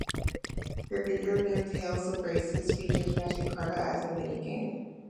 The video game "Tales of Graces" features "Magic Carta" as a mini-game.